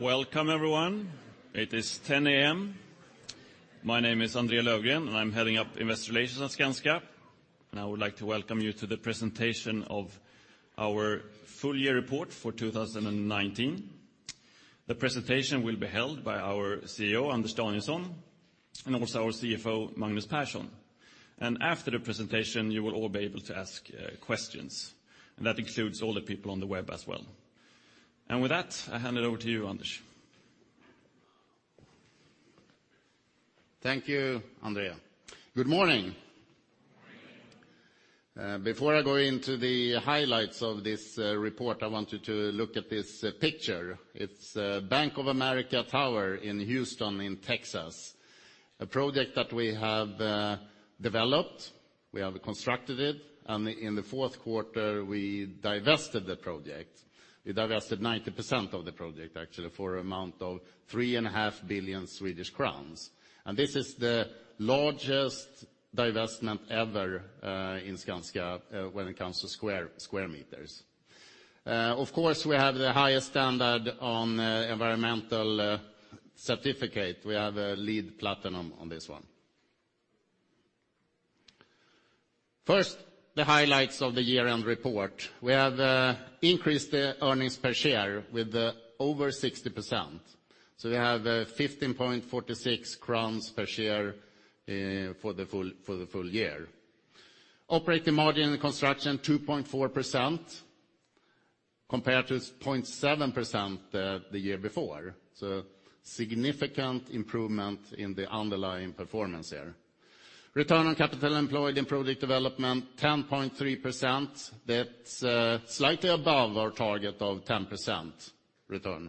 Welcome everyone. It is 10 A.M. My name is André Löfgren, and I'm heading up Investor Relations at Skanska. I would like to welcome you to the presentation of our full year report for 2019. The presentation will be held by our CEO, Anders Danielsson, and also our CFO Magnus Persson. After the presentation, you will all be able to ask questions, and that includes all the people on the web as well. With that, I hand it over to you, Anders. Thank you, André. Good morning. Before I go into the highlights of this report, I want you to look at this picture. It's Bank of America Tower in Houston, in Texas. A project that we have developed, we have constructed it and in the fourth quarter, we divested the project. We divested 90% of the project, actually for an amount of 3.5 billion Swedish crowns. This is the largest divestment ever in Skanska when it comes to square meters. Of course, we have the highest standard on environmental certificate. We have a LEED Platinum on this one. First, the highlights of the year-end report. We have increased the earnings per share with over 60%, so we have 15.46 crowns per share for the full year. Operating margin in the Construction, 2.4%, compared to 0.7%, the year before, so significant improvement in the underlying performance here. Return on capital employed in project development, 10.3%. That's slightly above our target of 10% return.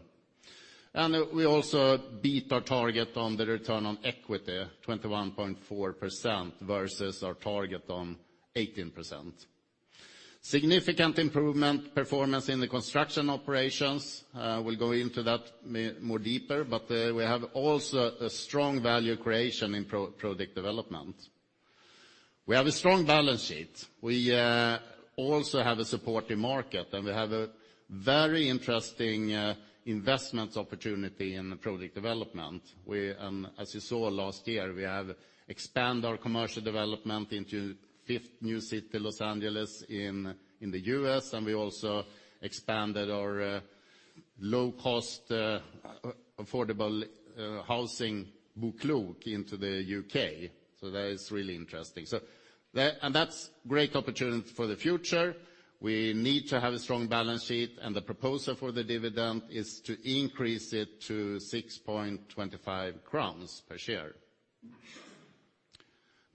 And we also beat our target on the return on equity, 21.4% versus our target on 18%. Significant improvement performance in the Construction operations. We'll go into that more deeper but we have also a strong value creation in project development. We have a strong balance sheet. We also have a supportive market, and we have a very interesting investment opportunity in project development. As you saw last year, we have expand our commercial development into fifth new city, Los Angeles, in the U.S., and we also expanded our low-cost affordable housing, BoKlok, into the U.K., so that is really interesting. And that's great opportunity for the future. We need to have a strong balance sheet, and the proposal for the dividend is to increase it to 6.25 crowns per share.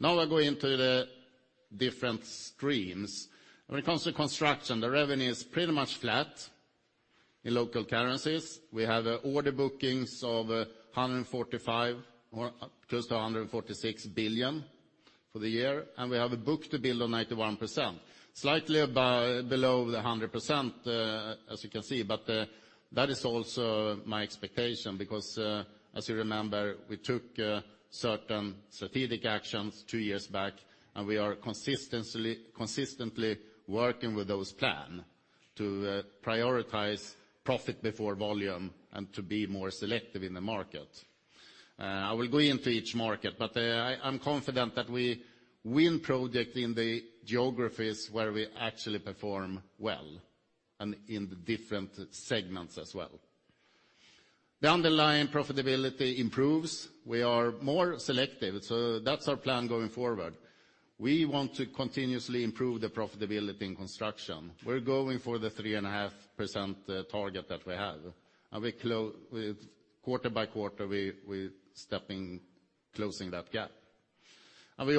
Now, I'll go into the different streams. When it comes to Construction, the revenue is pretty much flat in local currencies. We have order bookings of 145 billion or close to 146 billion for the year, and we have a book-to-bill of 91%. Slightly below the 100%, as you can see, but that is also my expectation, because, as you remember, we took certain strategic actions two years back and we are consistently working with those plan to prioritize profit before volume and to be more selective in the market. I will go into each market, but, I'm confident that we win project in the geographies where we actually perform well and in the different segments as well. The underlying profitability improves. We are more selective, so that's our plan going forward. We want to continuously improve the profitability in Construction. We're going for the 3.5% target that we have, and we with quarter by quarter, we stepping, closing that gap. I'm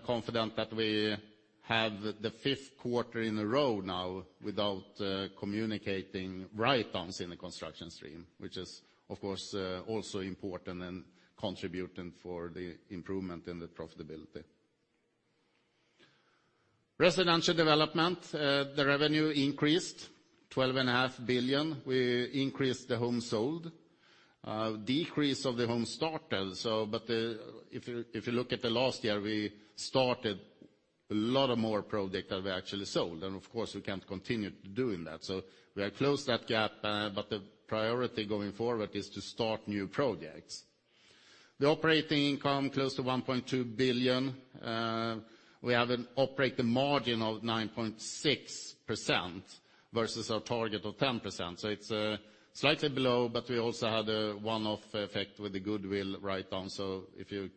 confident that we have the fifth quarter in a row now without communicating write-downs in the Construction stream, which is of course, also important and contributing for the improvement in the profitability. Residential Development, the revenue increased, 12.5 billion. We increased the homes sold. Decrease of the homes started, so but the - if you look at the last year, we started a lot of more project than we actually sold, and of course, we can't continue doing that, so we have closed that gap, but the priority going forward is to start new projects. The operating income, close to 1.2 billion. We have an operating margin of 9.6% versus our target of 10%, so it's slightly below, but we also had a one-off effect with the goodwill write-down. So if you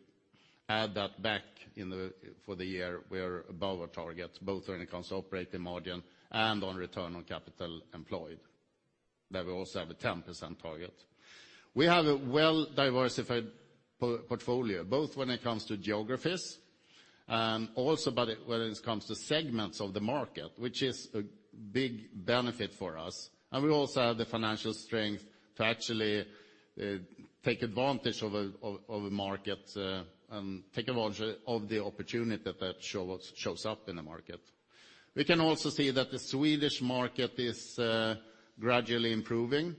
add that back in the, for the year, we are above our target, both when it comes to operating margin and on return on capital employed, that we also have a 10% target. We have a well-diversified portfolio, both when it comes to geographies, and also by the, when it comes to segments of the market, which is a big benefit for us. And we also have the financial strength to actually take advantage of a, of, of a market, and take advantage of the opportunity that shows up in the market. We can also see that the Swedish market is gradually improving,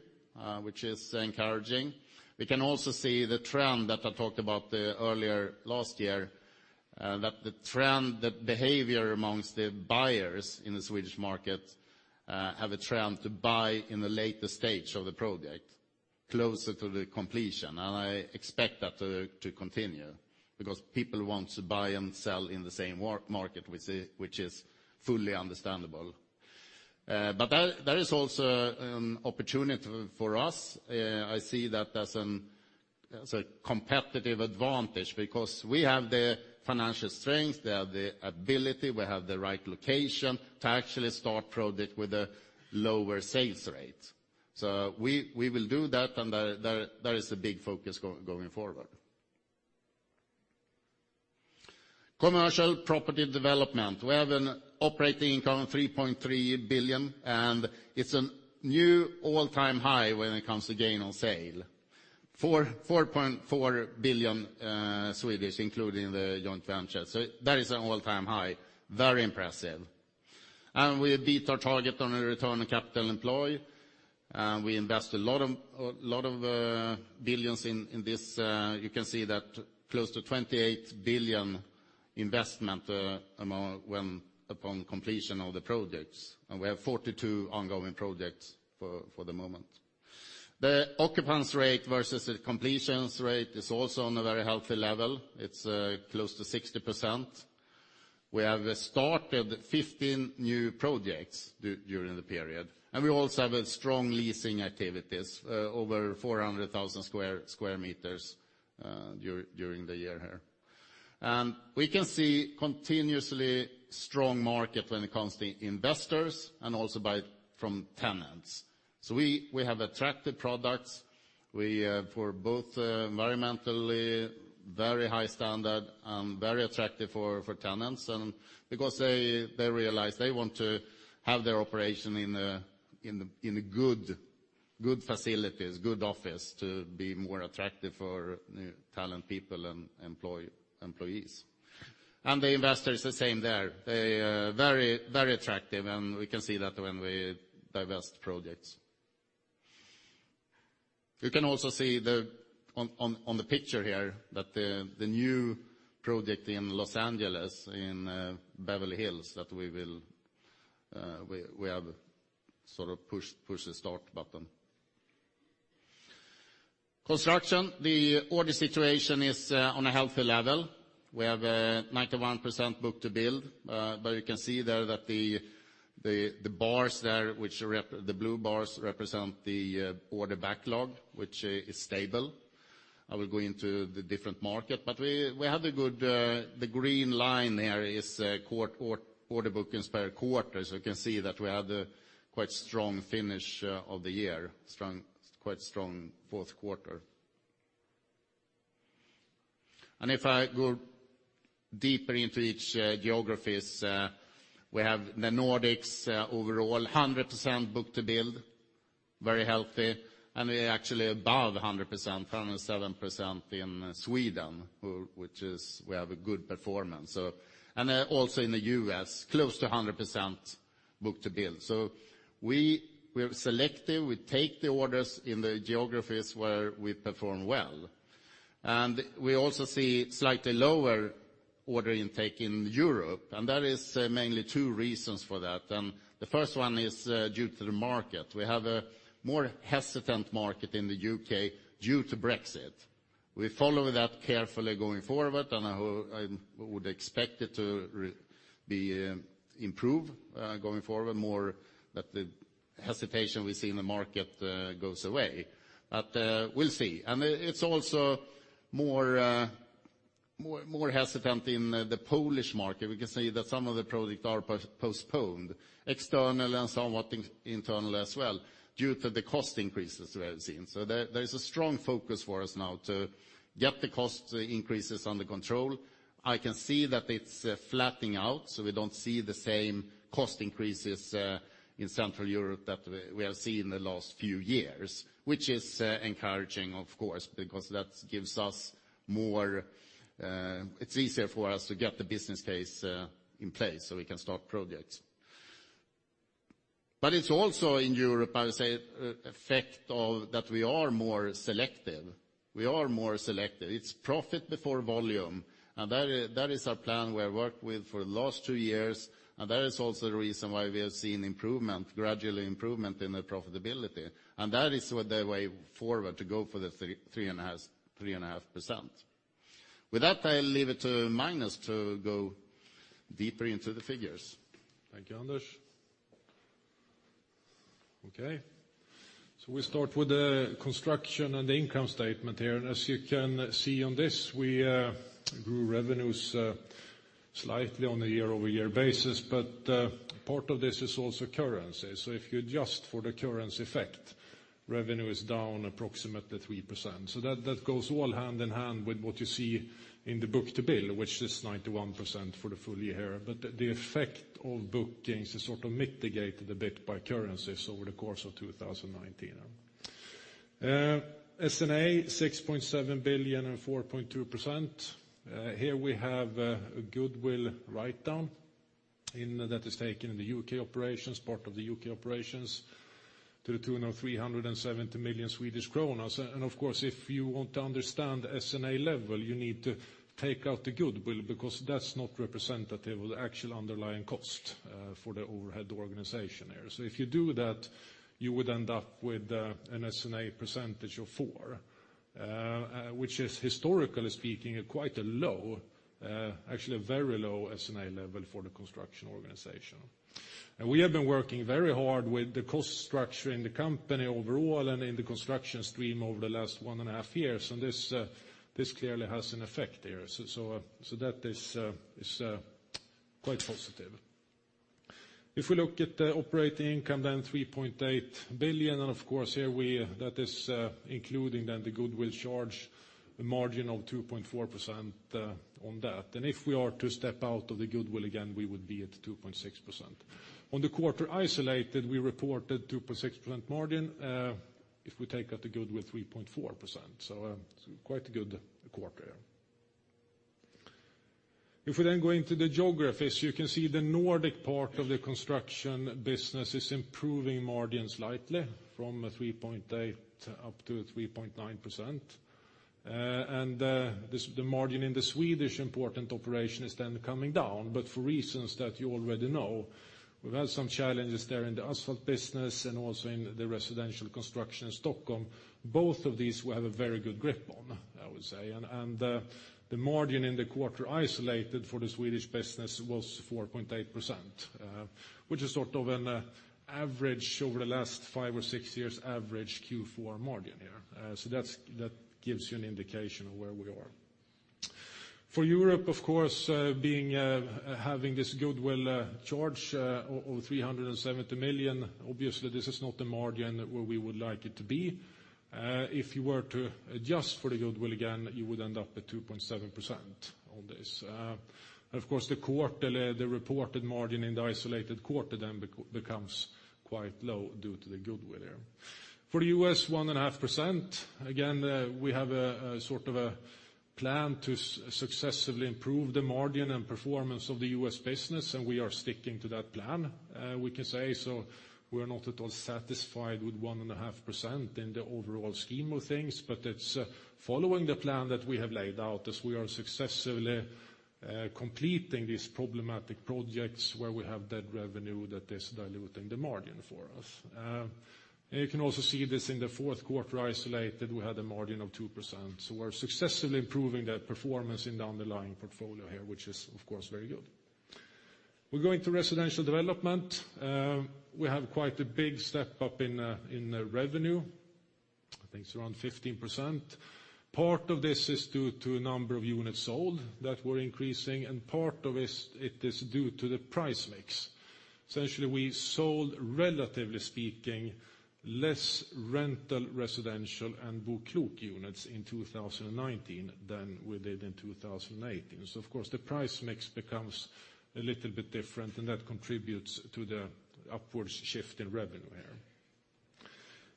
which is encouraging. We can also see the trend that I talked about, that the trend, the behavior among the buyers in the Swedish market, have a trend to buy in the later stage of the project, closer to the completion. I expect that to continue, because people want to buy and sell in the same market, which is fully understandable. But that is also an opportunity for us. I see that as a competitive advantage, because we have the financial strength, we have the ability, we have the right location to actually start project with a lower sales rate. We will do that, and that is a big focus going forward. Commercial Property Development. We have an operating income of 3.3 billion, and it's a new all-time high when it comes to gain on sale. 4.4 billion Swedish, including the joint venture. So that is an all-time high. Very impressive. And we beat our target on a return on capital employed, and we invest a lot of, a lot of, billions in, in this. You can see that close to 28 billion investment amount when upon completion of the projects, and we have 42 ongoing projects for the moment. The occupancy rate versus the completions rate is also on a very healthy level. It's close to 60%. We have started 15 new projects during the period, and we also have a strong leasing activities over 400,000 square meters during the year here. We can see a continuously strong market when it comes to investors and also buys from tenants. We have attractive products. We for both environmentally very high standard and very attractive for tenants, and because they realize they want to have their operation in a good facilities, good office, to be more attractive for new talent people and employees. And the investors, the same there. They very attractive, and we can see that when we divest projects. You can also see the on the picture here, that the new project in Los Angeles, in Beverly Hills, that we will we have sort of pushed the start button. Construction, the order situation is on a healthy level. We have 91% book-to-bill, but you can see there that the bars there, the blue bars represent the order backlog, which is stable. I will go into the different market, but we, we have a good - the green line there is quarter order bookings per quarter. So you can see that we have a quite strong finish of the year, strong, quite strong fourth quarter. And if I go deeper into each geographies, we have the Nordics overall, 100% book-to-bill, very healthy and we're actually above 100%, 107% in Sweden, which is we have a good performance. So, and also in the U.S., close to 100% book-to-bill. So we, we are selective. We take the orders in the geographies where we perform well. And we also see slightly lower order intake in Europe, and there is mainly two reasons for that. The first one is due to the market. We have a more hesitant market in the U.K. due to Brexit. We follow that carefully going forward, and I would expect it to improve going forward, more that the hesitation we see in the market goes away but we'll see. And it's also more hesitant in the Polish market. We can see that some of the projects are postponed, external and somewhat internal as well, due to the cost increases we have seen. So there is a strong focus for us now to get the cost increases under control. I can see that it's flattening out, so we don't see the same cost increases in Central Europe that we have seen in the last few years, which is encouraging, of course, because that gives us more - it's easier for us to get the business case in place so we can start projects. But it's also in Europe, I would say effect of that we are more selective. We are more selective. It's profit before volume, and that is our plan we have worked with for the last two years, and that is also the reason why we have seen improvement, gradual improvement in the profitability. And that is the way forward, to go for the 3%-3.5%. With that, I'll leave it to Magnus to go deeper into the figures. Thank you, Anders. Okay, so we start with the Construction and income statement here. And as you can see on this, we grew revenues slightly on a year-over-year basis, but part of this is also currency. So if you adjust for the currency effect, revenue is down approximately 3%. So that goes all hand in hand with what you see in the book to bill, which is 91% for the full year. But the effect of bookings is sort of mitigated a bit by currencies over the course of 2019. S&A, 6.7 billion and 4.2%. Here we have a goodwill write-down in that is taken in the U.K. operations, part of the U.K. operations to the tune of 370 million. Of course, if you want to understand S&A level, you need to take out the goodwill, because that's not representative of the actual underlying cost for the overhead organization there. So if you do that, you would end up with an S&A percentage of 4%, which is historically speaking, quite a low, actually a very low S&A level for the construction organization. And we have been working very hard with the cost structure in the company overall and in the Construction stream over the last one and a half years, and this clearly has an effect there. So that is quite positive. If we look at the operating income, then 3.8 billion, and of course, here we, that is, including then the goodwill charge, a margin of 2.4%, on that. If we are to step out of the goodwill again, we would be at 2.6%. On the quarter isolated, we reported 2.6% margin, if we take out the goodwill 3.4%, so, quite a good quarter, yeah. If we then go into the geographies, you can see the Nordic part of the Construction business is improving margin slightly from a 3.8 up to a 3.9%. And this, the margin in the Swedish infrastructure operation is then coming down but for reasons that you already know, we've had some challenges there in the asphalt business and also in the residential construction in Stockholm. Both of these we have a very good grip on, I would say. The margin in the quarter isolated for the Swedish business was 4.8%, which is sort of an average over the last five or six years, average Q4 margin here. So that's, that gives you an indication of where we are. For Europe, of course, being, having this goodwill charge of 370 million, obviously this is not the margin where we would like it to be. If you were to adjust for the goodwill again, you would end up at 2.7% on this. Of course, the quarter the reported margin in the isolated quarter then becomes quite low due to the goodwill there. For the U.S., 1.5%, again, we have a, a sort of a plan to successfully improve the margin and performance of the U.S. business, and we are sticking to that plan, we can say. So we are not at all satisfied with 1.5% in the overall scheme of things, but it's following the plan that we have laid out as we are successfully completing these problematic projects where we have that revenue that is diluting the margin for us. And you can also see this in the fourth quarter, isolated, we had a margin of 2%, so we're successfully improving that performance in the underlying portfolio here, which is, of course, very good. We're going to Residential Development. We have quite a big step up in in revenue. I think it's around 15%. Part of this is due to a number of units sold that were increasing, and part of it, it is due to the price mix. Essentially, we sold, relatively speaking, less rental, residential, and BoKlok units in 2019 than we did in 2018. So of course, the price mix becomes a little bit different, and that contributes to the upwards shift in revenue here.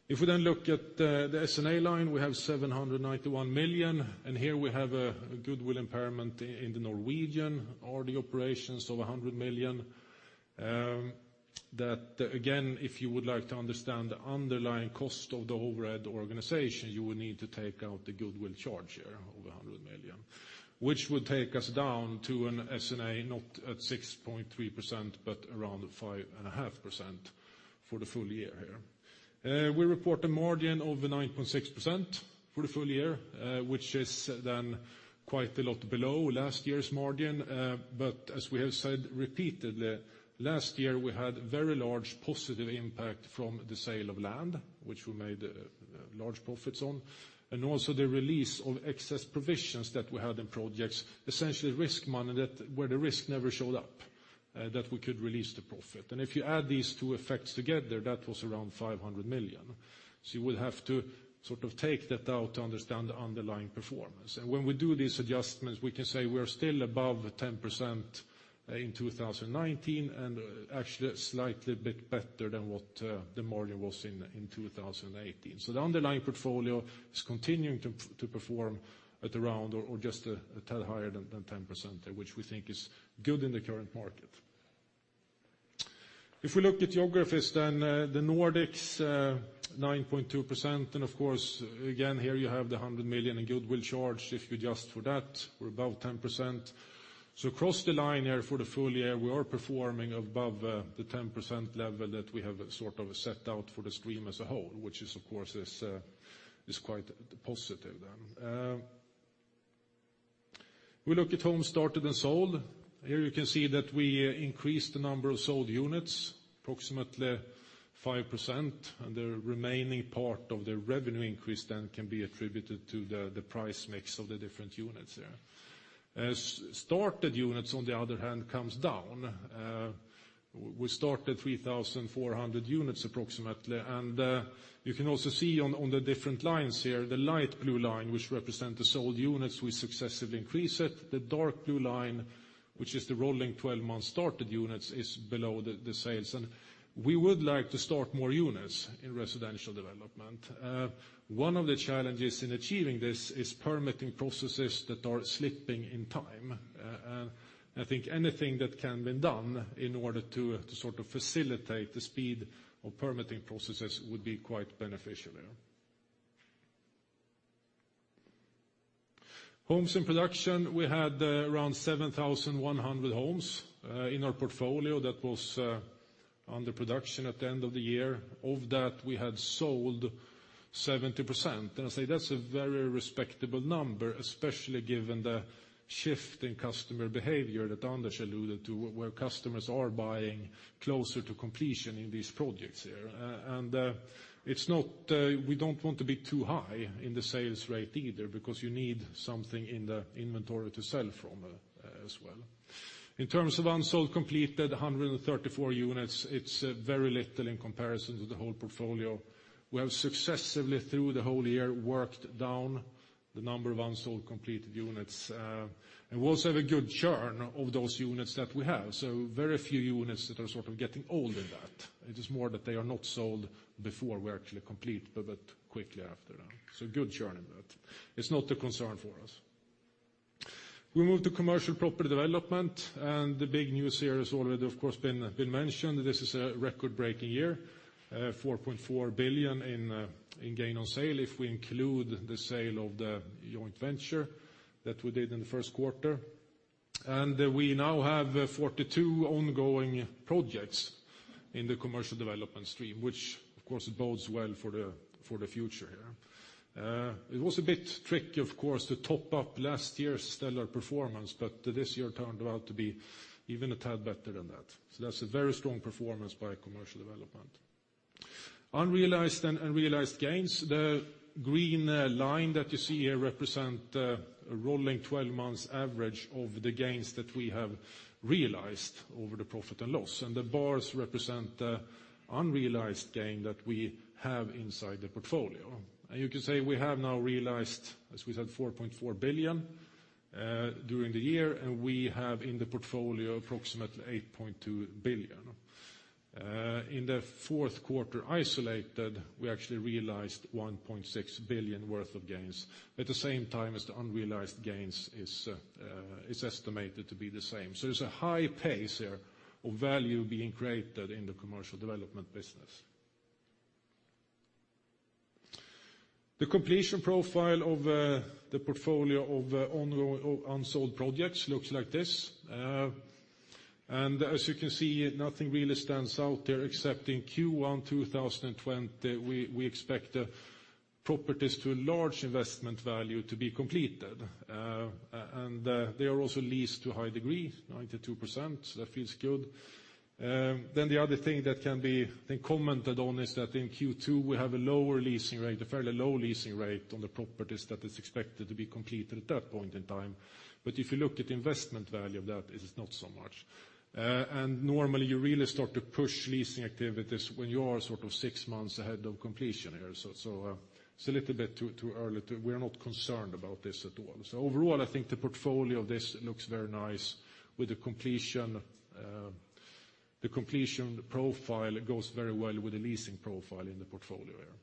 If we then look at the S&A line, we have 791 million, and here we have a goodwill impairment in the Norwegian or the operations of 100 million. That, again, if you would like to understand the underlying cost of the overhead organization, you would need to take out the goodwill charge here of 100 million, which would take us down to an S&A, not at 6.3%, but around 5.5% for the full year here. We report a margin of 9.6% for the full year, which is then quite a lot below last year's margin. But as we have said repeatedly, last year, we had very large positive impact from the sale of land, which we made large profits on, and also the release of excess provisions that we had in projects, essentially risk money that, where the risk never showed up, that we could release the profit. And if you add these two effects together, that was around 500 million. So you will have to sort of take that out to understand the underlying performance. And when we do these adjustments, we can say we are still above the 10%, in 2019, and actually a slightly bit better than what the margin was in 2018. So the underlying portfolio is continuing to perform at around or just a tad higher than 10%, which we think is good in the current market. If we look at geographies, the Nordics, 9.2%, and of course again here you have the 100 million in goodwill charge. If you adjust for that, we're above 10%. So across the line here for the full year, we are performing above the 10% level that we have sort of set out for the stream as a whole, which is, of course, quite positive then. We look at homes started and sold. Here you can see that we increased the number of sold units, approximately 5%, and the remaining part of the revenue increase then can be attributed to the price mix of the different units there. As started units, on the other hand, comes down, we started 3,400 units, approximately. And, you can also see on the different lines here, the light blue line, which represent the sold units, we successfully increase it. The dark blue line, which is the rolling twelve-month started units, is below the sales. We would like to start more units in Residential Development. One of the challenges in achieving this is permitting processes that are slipping in time. And I think anything that can be done in order to, to sort of facilitate the speed of permitting processes would be quite beneficial here. Homes in production, we had around 7,100 homes in our portfolio that was under production at the end of the year. Of that, we had sold 70%. And I say that's a very respectable number, especially given the shift in customer behavior that Anders alluded to, where customers are buying closer to completion in these projects here. And it's not we don't want to be too high in the sales rate either, because you need something in the inventory to sell from as well. In terms of unsold completed, 134 units, it's very little in comparison to the whole portfolio. We have successively, through the whole year, worked down the number of unsold completed units. And we also have a good churn of those units that we have. So very few units that are sort of getting old in that. It is more that they are not sold before we actually complete, but quickly after that. So good churn in that. It's not a concern for us. We move to commercial property development, and the big news here has already, of course, been mentioned. This is a record-breaking year, 4.4 billion in gain on sale, if we include the sale of the joint venture that we did in the first quarter. We now have 42 ongoing projects in the Commercial Development stream, which of course bodes well for the, for the future here. It was a bit tricky, of course, to top up last year's stellar performance, but this year turned out to be even a tad better than that. So that's a very strong performance by Commercial Development. Unrealized and realized gains, the green line that you see here represent a rolling 12 months average of the gains that we have realized over the profit and loss, and the bars represent the unrealized gain that we have inside the portfolio. And you can say we have now realized, as we said, 4.4 billion during the year, and we have in the portfolio approximately 8.2 billion. In the fourth quarter, isolated, we actually realized 1.6 billion worth of gains. At the same time, as the unrealized gains is estimated to be the same. So there's a high pace here of value being created in the Commercial Development business. The completion profile of the portfolio of ongoing unsold projects looks like this. As you can see, nothing really stands out there, except in Q1 2020, we expect properties to a large investment value to be completed. They are also leased to a high degree, 92%. That feels good. The other thing that can be then commented on is that in Q2, we have a lower leasing rate, a fairly low leasing rate, on the properties that is expected to be completed at that point in time. But if you look at the investment value of that, it is not so much. Normally, you really start to push leasing activities when you are sort of six months ahead of completion here. It's a little bit too early to - we are not concerned about this at all. So overall, I think the portfolio of this looks very nice with the completion profile goes very well with the leasing profile in the portfolio here.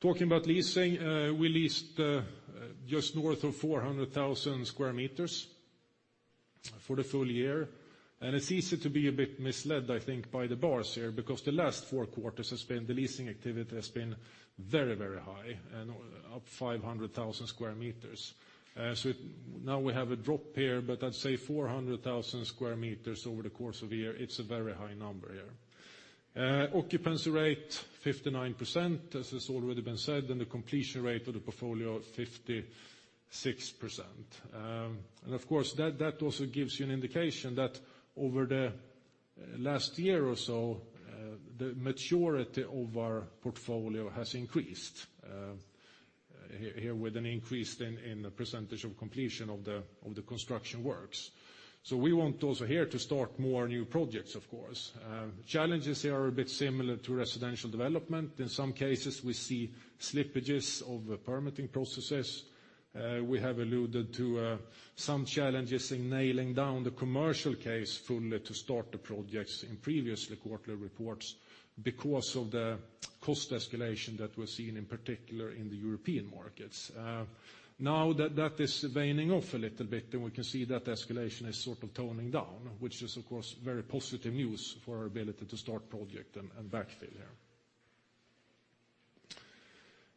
Talking about leasing, we leased just north of 400,000 sq m for the full year, and it's easy to be a bit misled, I think by the bars here, because the last four quarters has been - the leasing activity has been very, very high, and up 500,000 sq m. So now we have a drop here, but I'd say 400,000 square meters over the course of a year, it's a very high number here. Occupancy rate, 59%, as has already been said, and the completion rate of the portfolio, 56%. And of course, that, that also gives you an indication that over the last year or so, the maturity of our portfolio has increased, here, here with an increase in, in the percentage of completion of the, of the Construction works. So we want also here to start more new projects, of course. Challenges here are a bit similar to Residential Development. In some cases, we see slippages of the permitting processes. We have alluded to some challenges in nailing down the commercial case fully to start the projects in previous quarterly reports because of the cost escalation that we're seeing, in particular in the European markets. Now that that is waning off a little bit, then we can see that the escalation is sort of toning down, which is, of course, very positive news for our ability to start projects and backfill here.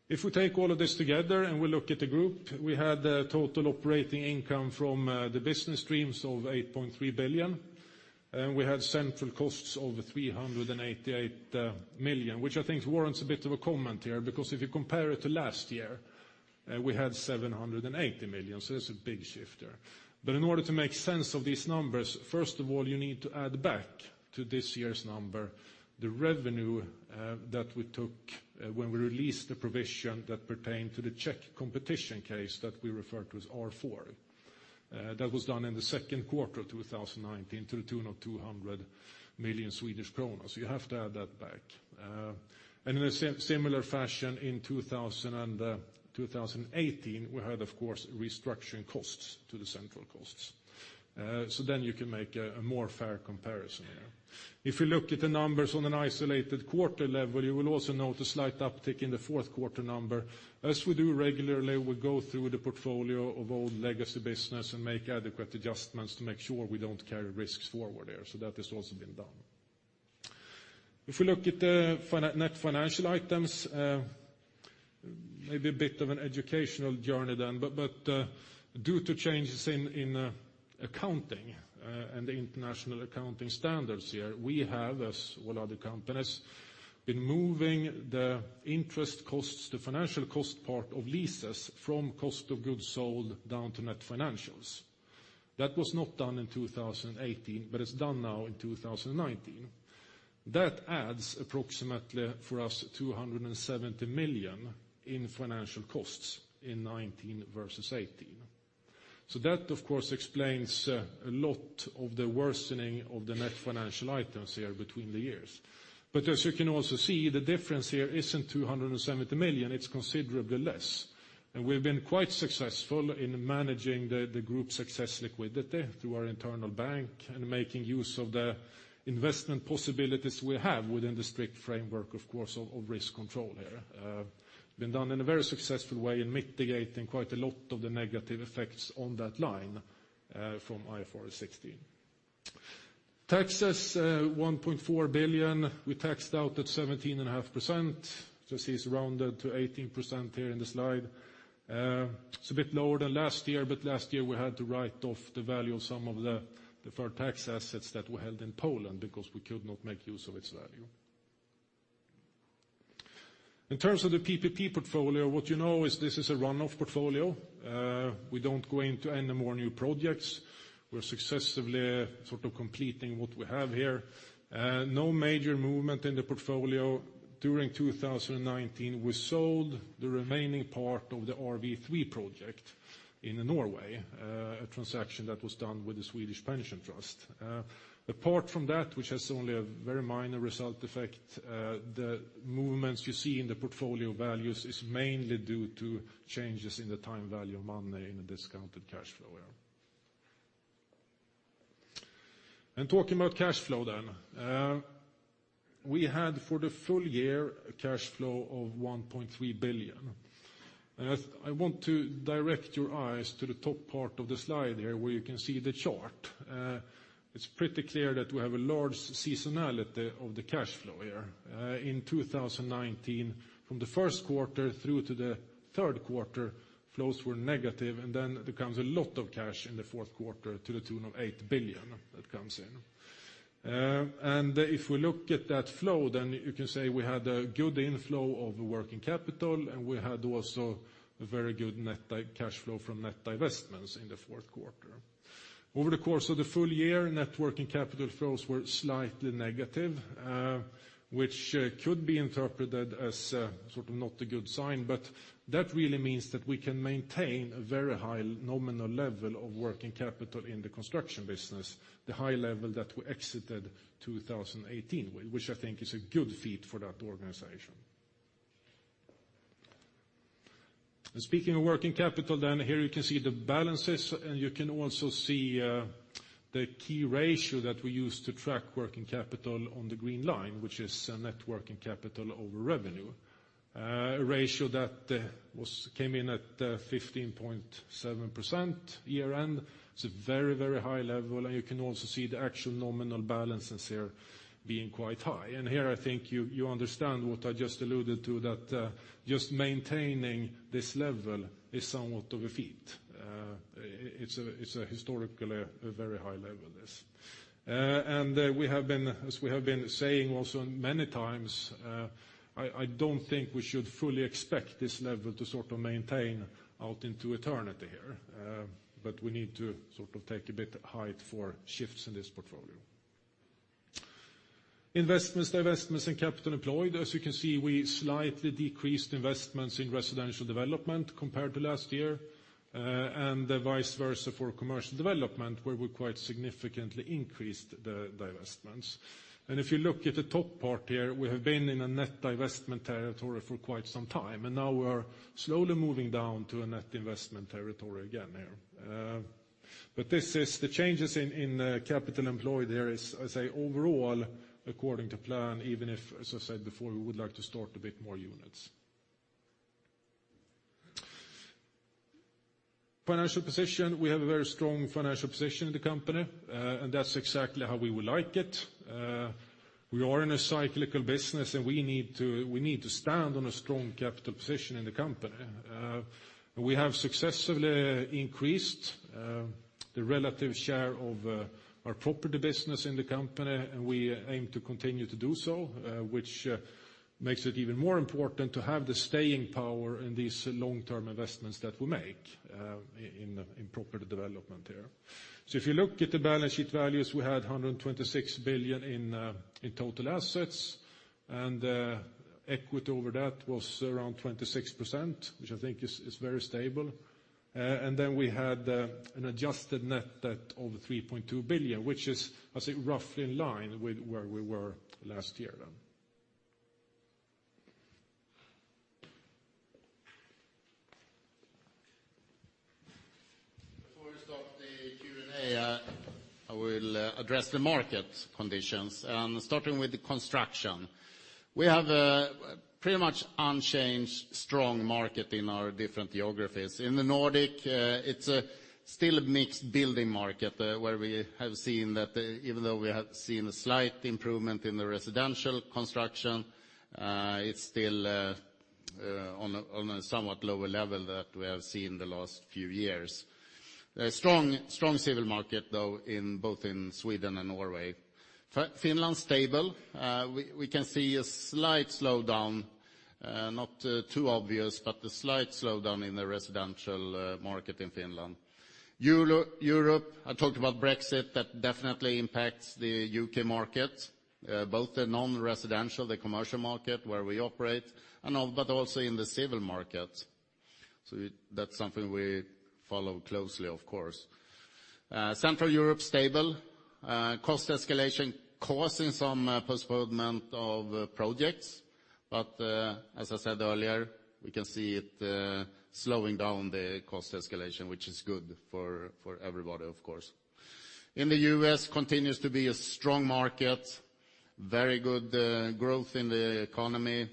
If we take all of this together and we look at the group, we had a total operating income from the business streams of 8.3 billion, and we had central costs of 388 million, which I think warrants a bit of a comment here, because if you compare it to last year, we had 780 million, so that's a big shift there. But in order to make sense of these numbers, first of all, you need to add back to this year's number, the revenue, that we took when we released the provision that pertained to the Czech competition case that we referred to as R4. That was done in the second quarter of 2019, to the tune of 200 million Swedish kronor. You have to add that back. And in a similar fashion, in 2018, we had, of course, restructuring costs to the central costs. So then you can make a more fair comparison here. If you look at the numbers on an isolated quarter level, you will also note a slight uptick in the fourth quarter number. As we do regularly, we go through the portfolio of old legacy business and make adequate adjustments to make sure we don't carry risks forward there, so that has also been done. If we look at the net financial items, maybe a bit of an educational journey then, but due to changes in accounting and the international accounting standards here, we have, as all other companies, been moving the interest costs, the financial cost part of leases from cost of goods sold down to net financials. That was not done in 2018, but it's done now in 2019. That adds approximately, for us, 270 million in financial costs in 2019 versus 2018. So that, of course, explains a lot of the worsening of the net financial items here between the years. But as you can also see, the difference here isn't 270 million, it's considerably less. And we've been quite successful in managing the group's excess liquidity through our internal bank, and making use of the investment possibilities we have within the strict framework, of course, of risk control here. Been done in a very successful way in mitigating quite a lot of the negative effects on that line from IFRS 16. Taxes, 1.4 billion. We taxed out at 17.5%. This is rounded to 18% here in the slide. It's a bit lower than last year, but last year we had to write off the value of some of the deferred tax assets that we held in Poland because we could not make use of its value. In terms of the PPP portfolio, what you know is this is a run-off portfolio. We don't go into any more new projects. We're successively sort of completing what we have here. No major movement in the portfolio. During 2019, we sold the remaining part of the RV3 project in Norway, a transaction that was done with the Swedish Pension Trust. Apart from that, which has only a very minor result effect, the movements you see in the portfolio values is mainly due to changes in the time value of money in the discounted cash flow area. And talking about cash flow then, we had, for the full year, a cash flow of 1.3 billion. I want to direct your eyes to the top part of the slide here, where you can see the chart. It's pretty clear that we have a large seasonality of the cash flow here. In 2019, from the first quarter through to the third quarter, flows were negative and then there comes a lot of cash in the fourth quarter to the tune of 8 billion that comes in. And if we look at that flow, then you can say we had a good inflow of working capital, and we had also a very good net cash flow from net divestments in the fourth quarter. Over the course of the full year, net working capital flows were slightly negative, which could be interpreted as sort of not a good sign. But that really means that we can maintain a very high nominal level of working capital in the Construction business, the high level that we exited 2018, which I think is a good feat for that organization. And speaking of working capital, then here you can see the balances and you can also see the key ratio that we use to track working capital on the green line, which is net working capital over revenue. A ratio that came in at 15.7% year-end. It's a very, very high level, and you can also see the actual nominal balances here being quite high. And here, I think you understand what I just alluded to, that just maintaining this level is somewhat of a feat. It's a historically very high level, this. We have been, as we have been saying also many times, I don't think we should fully expect this level to sort of maintain out into eternity here. But we need to sort of take a bit height for shifts in this portfolio. Investments, divestments, and capital employed. As you can see, we slightly decreased investments in Residential Development compared to last year, and vice versa for Commercial Development, where we quite significantly increased the divestments. And if you look at the top part here, we have been in a net divestment territory for quite some time, and now we're slowly moving down to a net investment territory again here. But this is the changes in capital employed there is, I say overall according to plan, even if, as I said before, we would like to start a bit more units. Financial position. We have a very strong financial position in the company, and that's exactly how we would like it. We are in a cyclical business, and we need to stand on a strong capital position in the company. We have successfully increased the relative share of our property business in the company, and we aim to continue to do so, which makes it even more important to have the staying power in these long-term investments that we make in property development here. So if you look at the balance sheet values, we had 126 billion in total assets, and equity over that was around 26%, which I think is very stable. And then we had an adjusted net debt of 3.2 billion, which is, I think, roughly in line with where we were last year then. Before we start the Q&A, I will address the market conditions, starting with the Construction. We have a pretty much unchanged, strong market in our different geographies. In the Nordic, it's still a mixed building market, where we have seen that, even though we have seen a slight improvement in the residential construction, it's still on a somewhat lower level that we have seen the last few years. A strong, strong civil market, though, in both in Sweden and Norway. Finland's stable. We can see a slight slowdown, not too obvious but a slight slowdown in the residential market in Finland. Europe, I talked about Brexit, that definitely impacts the U.K. market, both the non-residential, the commercial market where we operate, but also in the civil market. So that's something we follow closely, of course. Central Europe, stable. Cost escalation causing some postponement of projects, but as I said earlier, we can see it slowing down the cost escalation, which is good for everybody, of course. In the U.S., continues to be a strong market, very good growth in the economy,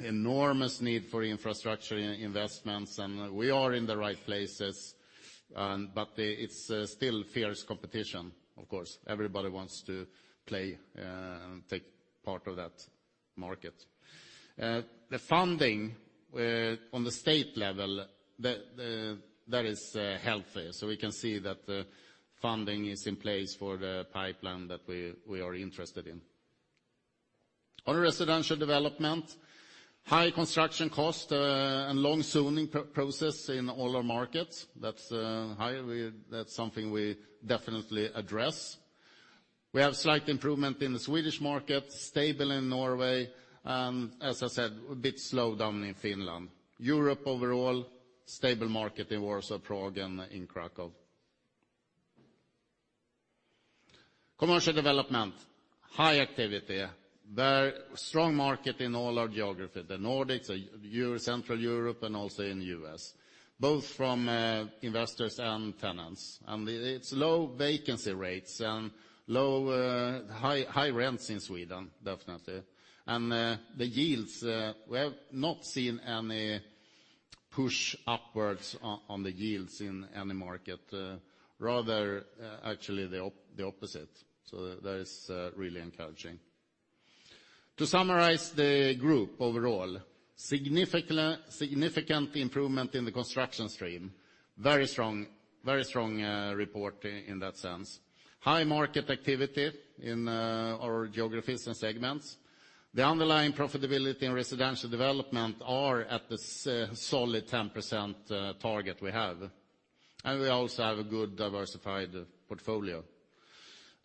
enormous need for infrastructure investments, and we are in the right places, but it's still fierce competition, of course. Everybody wants to play and take part of that market. The funding on the state level, that is healthy, so we can see that the funding is in place for the pipeline that we are interested in. On Residential Development, high construction cost and long zoning process in all our markets. That's high. That's something we definitely address. We have slight improvement in the Swedish market, stable in Norway, and, as I said, a bit slowdown in Finland. Europe, overall, stable market in Warsaw, Prague, and in Krakow. Commercial Development, high activity. There, strong market in all our geographies, the Nordics, Central Europe, and also in the U.S., both from investors and tenants. And it's low vacancy rates and low, high, high rents in Sweden, definitely. And the yields, we have not seen any push upwards on the yields in any market, rather, actually the opposite, so that is really encouraging. To summarize the group overall, significant, significant improvement in the construction stream, very strong, very strong report in that sense. High market activity in our geographies and segments. The underlying profitability in Residential Development are at the solid 10%, target we have, and we also have a good, diversified portfolio.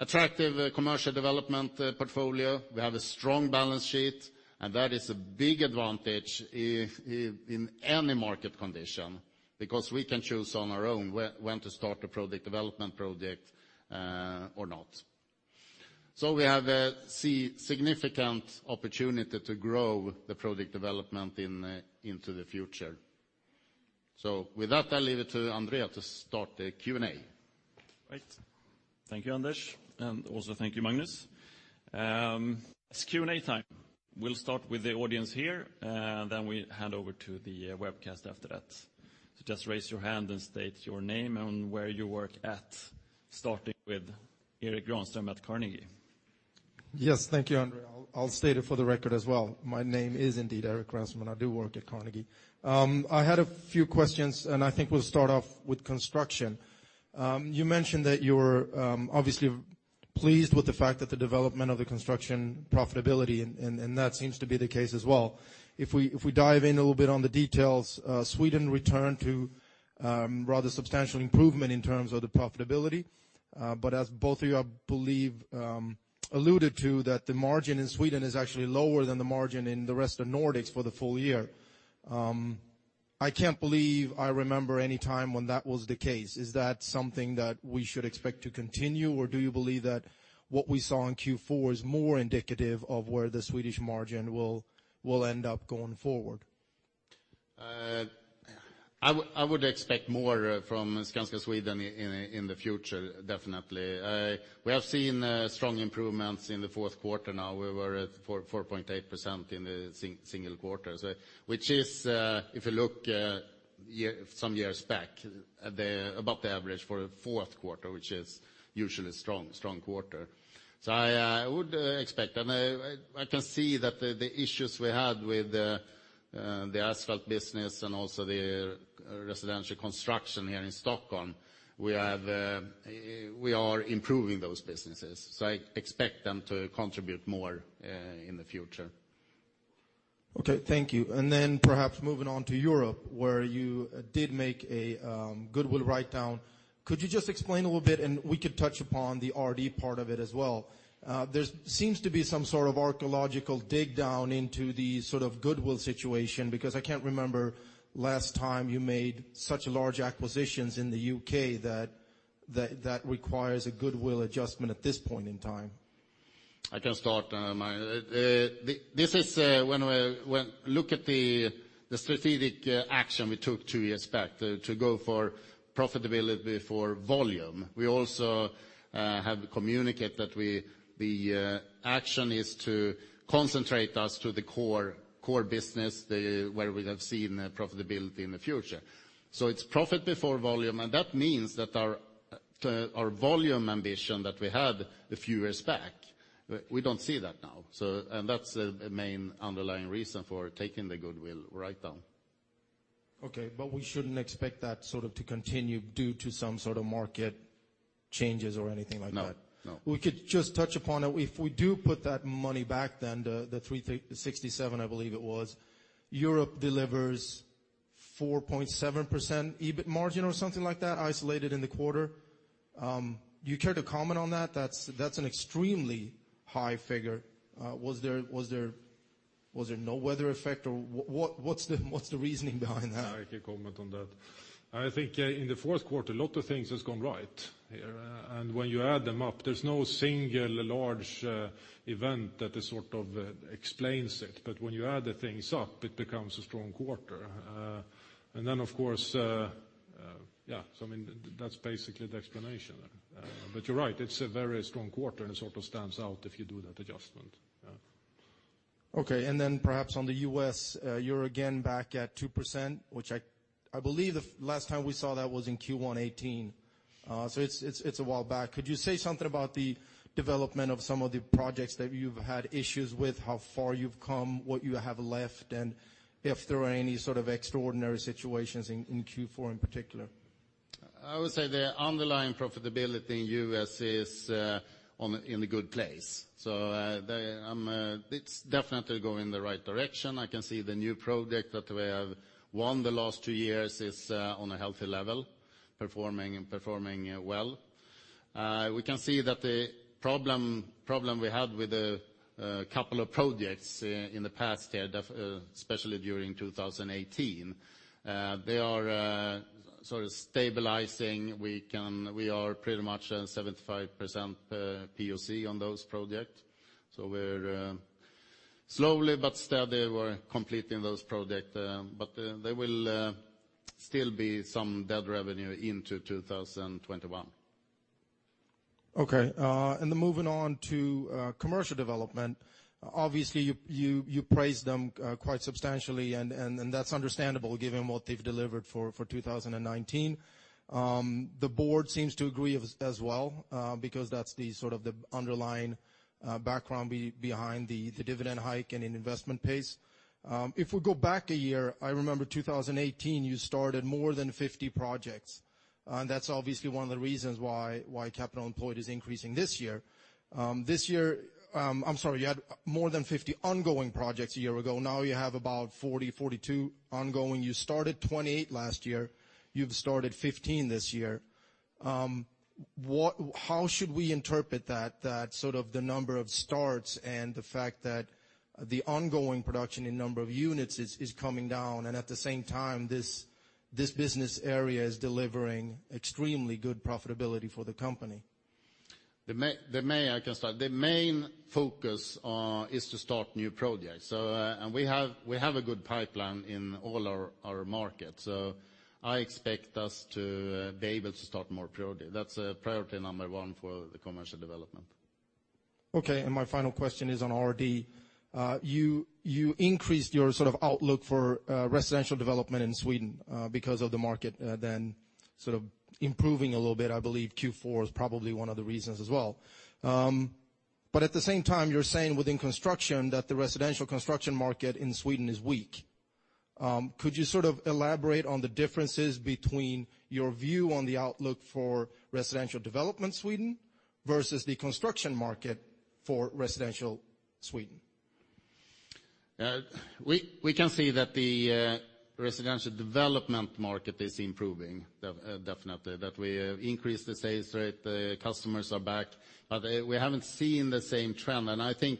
Attractive, Commercial Development portfolio. We have a strong balance sheet, and that is a big advantage in, in any market condition, because we can choose on our own when to start a project development project, or not. So we have a significant opportunity to grow the project development in, into the future. So with that, I'll leave it to André to start the Q&A. Right. Thank you Anders, and also thank you, Magnus. It's Q&A time. We'll start with the audience here, and then we hand over to the webcast after that. So just raise your hand and state your name and where you work at, starting with Erik Granström at Carnegie. Yes, thank you, André. I'll, I'll state it for the record as well. My name is indeed Erik Granström, and I do work at Carnegie. I had a few questions, and I think we'll start off with Construction. You mentioned that you're obviously pleased with the fact that the development of the Construction profitability, and that seems to be the case as well. If we dive in a little bit on the details, Sweden returned to rather substantial improvement in terms of the profitability, but as both of you, I believe, alluded to, that the margin in Sweden is actually lower than the margin in the rest of Nordics for the full year. I can't believe I remember any time when that was the case. Is that something that we should expect to continue, or do you believe that what we saw in Q4 is more indicative of where the Swedish margin will end up going forward? I would expect more from Skanska Sweden in the future, definitely. We have seen strong improvements in the fourth quarter now. We were at 4.8% in the single quarter, so which is, if you look year some years back, at the above the average for a fourth quarter, which is usually a strong, strong quarter. So I would expect, and I can see that the issues we had with the asphalt business and also the residential construction here in Stockholm, we have we are improving those businesses, so I expect them to contribute more in the future. Okay, thank you. And then perhaps moving on to Europe, where you did make a goodwill write-down. Could you just explain a little bit, and we could touch upon the RD part of it as well? There seems to be some sort of archaeological dig down into the sort of goodwill situation, because I can't remember last time you made such large acquisitions in the U.K. that requires a goodwill adjustment at this point in time. I can start. This is when we look at the strategic action we took two years back to go for profitability before volume. We also have communicate that the action is to concentrate us to the core, core business where we have seen profitability in the future. So it's profit before volume, and that means that our - our volume ambition that we had a few years back we don't see that now. And that's the main underlying reason for taking the goodwill write down. Okay, but we shouldn't expect that sort of to continue due to some sort of market changes or anything like that? No, no. We could just touch upon it. If we do put that money back then, the 367, I believe it was, Europe delivers 4.7% EBIT margin or something like that, isolated in the quarter. You care to comment on that? That's an extremely high figure. Was there no weather effect, or what's the reasoning behind that? I can comment on that. I think in the fourth quarter, a lot of things has gone right here. And when you add them up, there's no single large event that sort of explains it. But when you add the things up, it becomes a strong quarter. And then of course, yeah, so I mean, that's basically the explanation. But you're right, it's a very strong quarter, and it sort of stands out if you do that adjustment, yeah. Okay, and then perhaps on the U.S., you're again back at 2%, which I believe the last time we saw that was in Q1 2018. So it's a while back. Could you say something about the development of some of the projects that you've had issues with, how far you've come, what you have left, and if there are any sort of extraordinary situations in Q4 in particular? I would say the underlying profitability in U.S. is in a good place. So, it's definitely going in the right direction. I can see the new project that we have won the last two years is on a healthy level, performing well. We can see that the problem we had with a couple of projects in the past year, definitely especially during 2018, they are sort of stabilizing. We are pretty much 75% POC on those projects. So we're slowly but steady, we're completing those projects. But there will still be some deferred revenue into 2021. Okay. And then moving on to Commercial Development, obviously, you praised them quite substantially, and that's understandable given what they've delivered for 2019. The board seems to agree as well, because that's the sort of underlying background behind the dividend hike and in investment pace. If we go back a year, I remember 2018, you started more than 50 projects, and that's obviously one of the reasons why Capital employed is increasing this year. This year, I'm sorry, you had more than 50 ongoing projects a year ago. Now you have about 40, 42 ongoing. You started 28 last year. You've started 15 this year. What - how should we interpret that sort of the number of starts and the fact that the ongoing production in number of units is coming down, and at the same time, this business area is delivering extremely good profitability for the company? The main - I can start. The main focus is to start new projects. So, and we have a good pipeline in all our markets. So I expect us to be able to start more projects. That's priority number one for the Commercial Development. Okay, and my final question is on RD. You, you increased your sort of outlook for Residential Development in Sweden because of the market then sort of improving a little bit. I believe Q4 is probably one of the reasons as well. But at the same time, you're saying within construction that the residential construction market in Sweden is weak. Could you sort of elaborate on the differences between your view on the outlook for Residential Development Sweden versus the Construction market for residential Sweden? We can see that the Residential Development market is improving, definitely, that we increased the sales rate, the customers are back, but we haven't seen the same trend. I think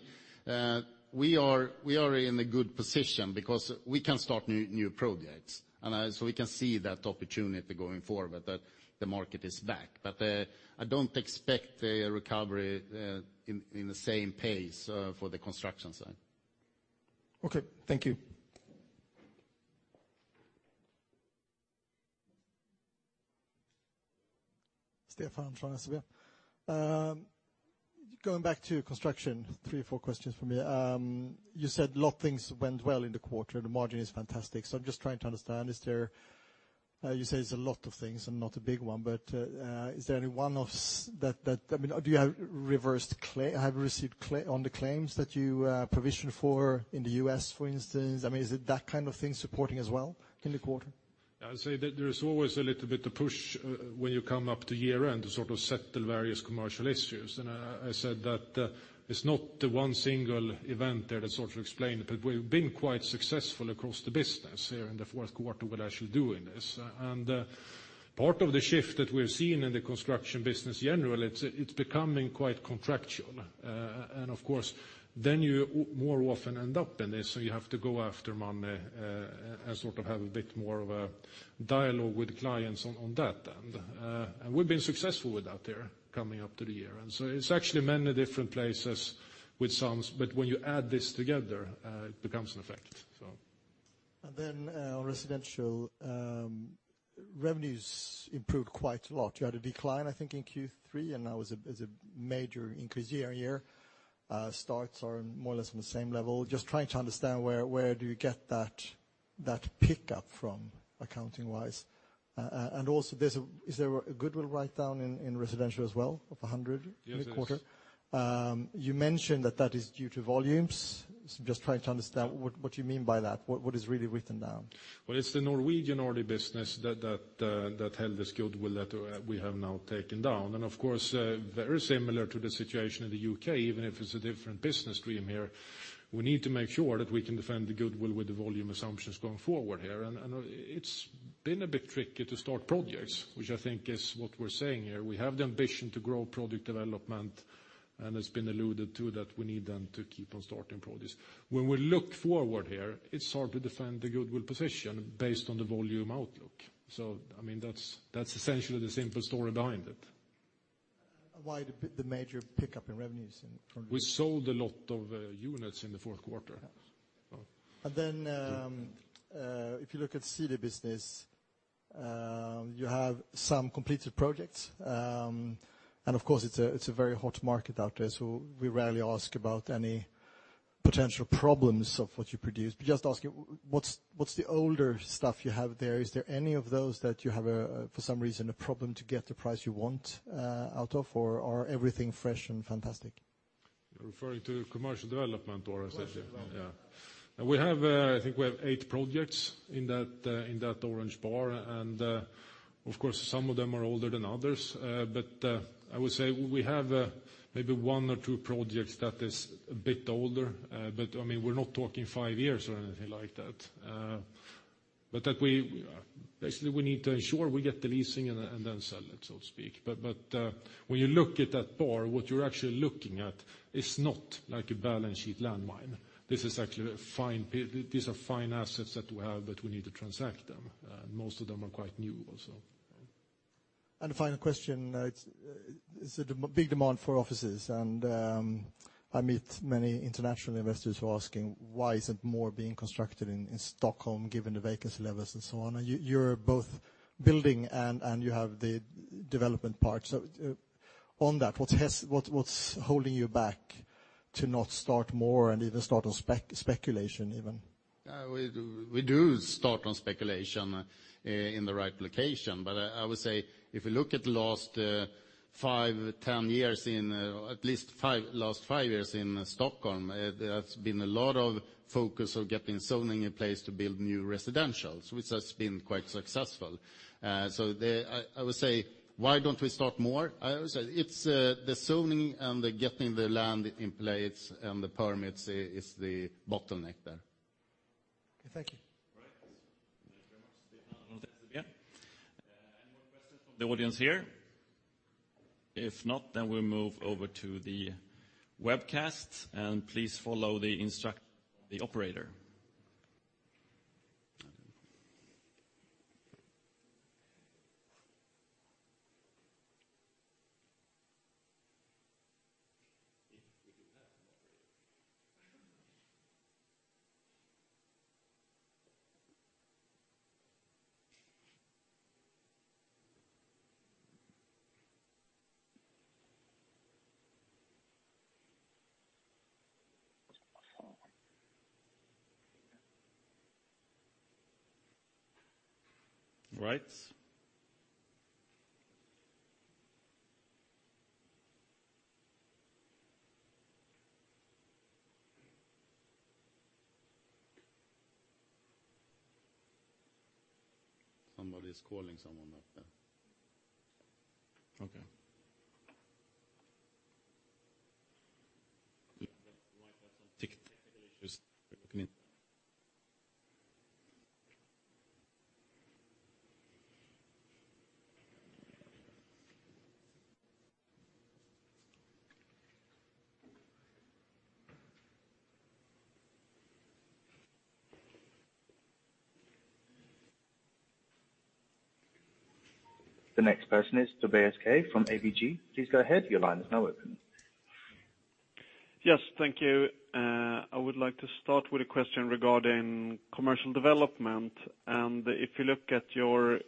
we are in a good position because we can start new projects. So we can see that opportunity going forward, that the market is back. I don't expect a recovery in the same pace for the Construction side. Okay. Thank you. Stefan from SEB. Going back to Construction, three or four questions for me. You said a lot of things went well in the quarter, the margin is fantastic. I'm just trying to understand, is there, you say it's a lot of things and not a big one, but is there any one offs - I mean, do you have reversed claim- have received claim - on the claims that you provisioned for in the U.S., for instance? I mean, is it that kind of thing supporting as well in the quarter? I'd say that there is always a little bit of push when you come up to year-end to sort of settle various commercial issues. I said that it's not the one single event there that sort of explain it, but we've been quite successful across the business here in the fourth quarter with actually doing this. Part of the shift that we're seeing in the Construction business generally, it's becoming quite contractual. Of course, then you more often end up in this, so you have to go after money and sort of have a bit more of a dialogue with the clients on that end. We've been successful with that there coming up to the year. And so it's actually many different places with sums, but when you add this together, it becomes an effect, so. And then, on Residential, revenues improved quite a lot. You had a decline, I think, in Q3, and now is a major increase year-over-year. Starts are more or less on the same level. Just trying to understand where do you get that pickup from accounting-wise? And also, is there a goodwill write-down in residential as well, of 100 in the quarter? Yes, there is. You mentioned that that is due to volumes. So just trying to understand what, what you mean by that. What, what is really written down? Well, it's the Norwegian real estate business that held this goodwill that we have now taken down. And of course, very similar to the situation in the U.K., even if it's a different business stream here, we need to make sure that we can defend the goodwill with the volume assumptions going forward here. And it's been a bit tricky to start projects, which I think is what we're saying here. We have the ambition to grow project development, and it's been alluded to that we need them to keep on starting projects. When we look forward here, it's hard to defend the goodwill position based on the volume outlook. So, I mean that's essentially the simple story behind it. Why the major pickup in revenues in from - We sold a lot of units in the fourth quarter. And then if you look at city business, you have some completed projects. And of course, it's a very hot market out there, so we rarely ask about any potential problems of what you produce. But just asking, what's the older stuff you have there? Is there any of those that you have, for some reason, a problem to get the price you want out of, or are everything fresh and fantastic? You're referring to Commercial Development or - yeah. And we have, I think we have eight projects in that, in that orange bar. And, of course, some of them are older than others. But, I would say we have, maybe one or two projects that is a bit older. But, I mean, we're not talking five years or anything like that. But that we, basically, we need to ensure we get the leasing and then, and then sell it, so to speak. But, but, when you look at that bar, what you're actually looking at is not like a balance sheet landmine. This is actually these are fine assets that we have, but we need to transact them, and most of them are quite new also. Final question, is it a big demand for offices? And I meet many international investors who are asking, "Why isn't more being constructed in Stockholm, given the vacancy levels and so on?" And you, you're both building and you have the development part. So, on that, what's holding you back to not start more and even start on speculation even? We do, we do start on speculation in the right location. But I, I would say if you look at the last five, 10 years in at least last five years in Stockholm, there has been a lot of focus of getting zoning in place to build new residentials, which has been quite successful. So I, I would say, why don't we start more? I would say it's the zoning and the getting the land in place, and the permits is the bottleneck there. Okay, thank you. All right. Thank you very much. Any more questions from the audience here? If not, then we'll move over to the webcast, and please follow the operator. All right. Somebody's calling someone out there. Okay. The next person is Tobias Kaj from ABG. Please go ahead. Your line is now open. Yes, thank you. I would like to start with a question regarding Commercial Development. If you look at your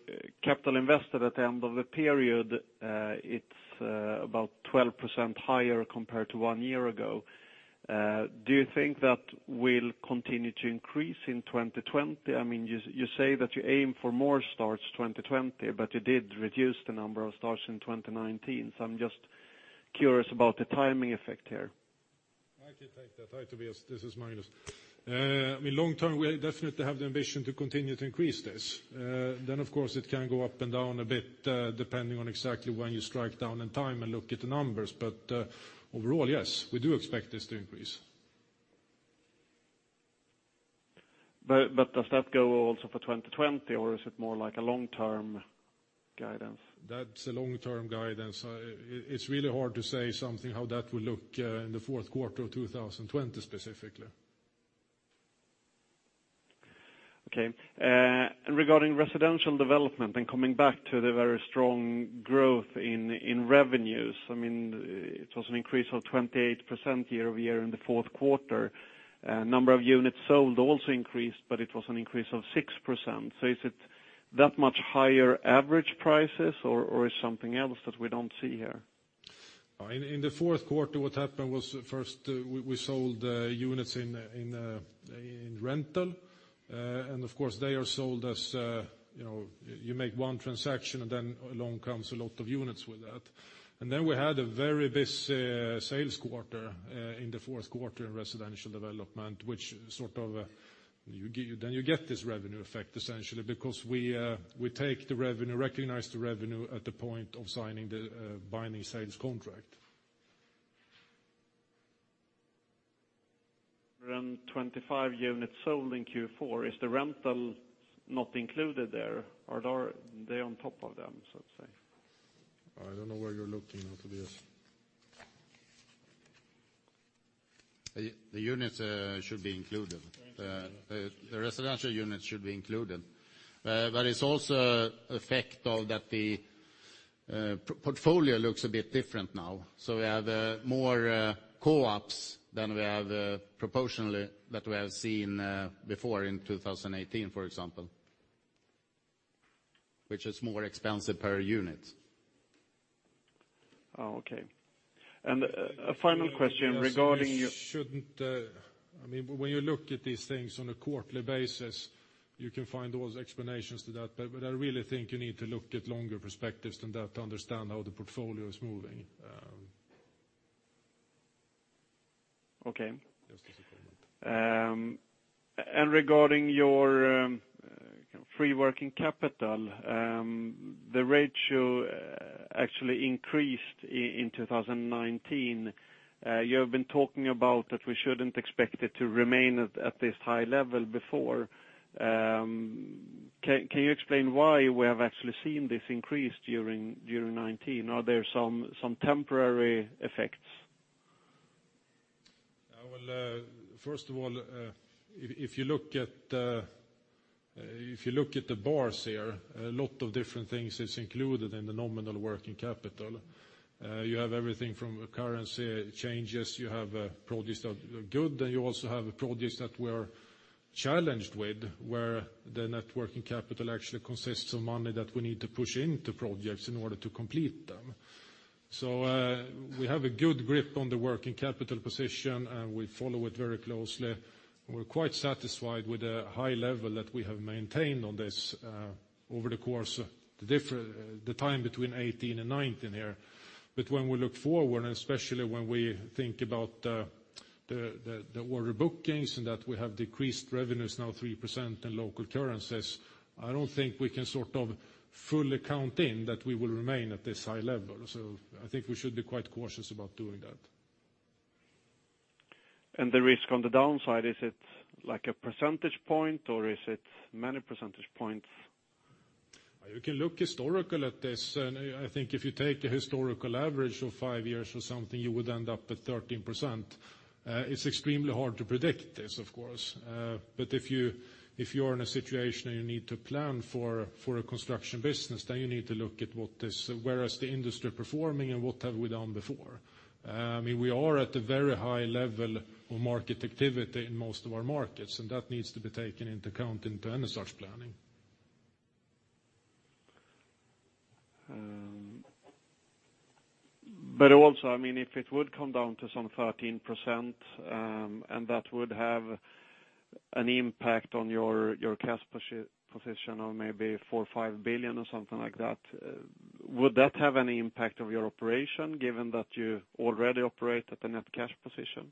capital invested at the end of the period, it's about 12% higher compared to one year ago. Do you think that will continue to increase in 2020? I mean, you say that you aim for more starts 2020, but you did reduce the number of starts in 2019. So I'm just curious about the timing effect here. I can take that. Hi, Tobias, this is Magnus. I mean, long term, we definitely have the ambition to continue to increase this. Then, of course, it can go up and down a bit, depending on exactly when you strike down in time and look at the numbers. But, overall, yes, we do expect this to increase. But does that go also for 2020, or is it more like a long-term guidance? That's a long-term guidance. It, it's really hard to say something, how that will look, in the fourth quarter of 2020, specifically. Okay. And regarding Residential Development and coming back to the very strong growth in revenues, I mean, it was an increase of 28% year-over-year in the fourth quarter. Number of units sold also increased, but it was an increase of 6%. So is it that much higher average prices, or it's something else that we don't see here? In the fourth quarter, what happened was, first, we sold units in rental. And of course, they are sold as, you know, you make one transaction, and then along comes a lot of units with that. And then we had a very busy sales quarter in the fourth quarter in Residential Development, which sort of, then you get this revenue effect essentially, because we take the revenue, recognize the revenue at the point of signing the binding sales contract. Around 25 units sold in Q4. Is the rental not included there, or are they on top of them, so to say? I don't know where you're looking, Tobias. The units should be included. The residential units should be included. But it's also an effect of that the portfolio looks a bit different now. So we have more co-ops than we have proportionally, that we have seen before in 2018, for example, which is more expensive per unit. Oh, okay. And a final question regarding your - I mean, when you look at these things on a quarterly basis, you can find all the explanations to that. But, but I really think you need to look at longer perspectives than that to understand how the portfolio is moving. Okay. Yes, just a moment. Regarding your net working capital, the ratio actually increased in 2019. You have been talking about that we shouldn't expect it to remain at this high level before. Can you explain why we have actually seen this increase during 2019? Are there some temporary effects? I will first of all, if you look at the bars here, a lot of different things is included in the nominal working capital. You have everything from currency changes, you have projects that are good, and you also have projects that we're challenged with, where the net working capital actually consists of money that we need to push into projects in order to complete them. So, we have a good grip on the working capital position, and we follow it very closely. We're quite satisfied with the high level that we have maintained on this, over the course, the time between 2018 and 2019 here. But when we look forward, and especially when we think about the order bookings, and that we have decreased revenues now 3% in local currencies, I don't think we can sort of fully count in that we will remain at this high level. So I think we should be quite cautious about doing that. The risk on the downside, is it like a percentage point or is it many percentage points? You can look historical at this and I think if you take a historical average of five years or something, you would end up at 13%. It's extremely hard to predict this, of course. But if you're in a situation, and you need to plan for a Construction business, then you need to look at what is the industry performing, and what have we done before? I mean, we are at a very high level of market activity in most of our markets and that needs to be taken into account into any such planning. But also, I mean if it would come down to some 13%, and that would have an impact on your cash position of maybe 4 billion-5 billion or something like that, would that have any impact on your operation, given that you already operate at the net cash position?